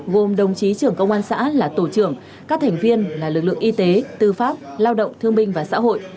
gồm đồng chí trưởng công an xã là tổ trưởng các thành viên là lực lượng y tế tư pháp lao động thương binh và xã hội